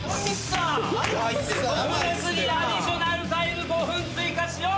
特別にアディショナルタイム５分追加しよう。